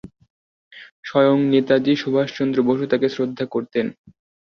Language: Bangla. স্বয়ং নেতাজী সুভাষচন্দ্র বসু তাকে শ্রদ্ধা করতেন।